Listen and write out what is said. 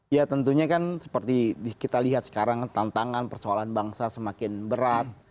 ya tentunya kan seperti kita lihat sekarang tantangan persoalan bangsa semakin berat